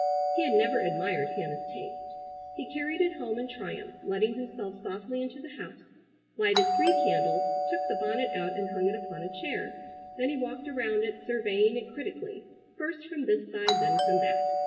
He had never admired Hannah's taste. He carried it home in triumph, letting himself softly into the house, lighted three candles, took the bonnet out and hung it upon a chair. Then he walked around it surveying it critically, first from this side, then from that.